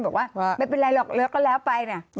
บอกว่าไม่เป็นไรหรอกเลิกก็เล้าไปเนี่ย